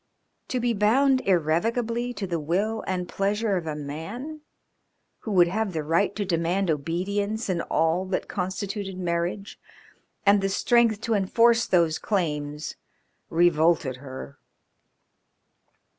To be bound irrevocably to the will and pleasure of a man who would have the right to demand obedience in all that constituted marriage and the strength to enforce those claims revolted her.